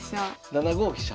７五飛車。